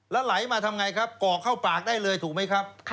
แล้วไหลมาทำไงครับก่อเข้าปากได้เลยถูกไหมครับ